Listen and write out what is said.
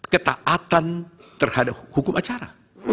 ketaatan terhadap hukum acara